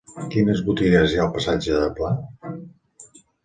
Quines botigues hi ha al passatge de Pla?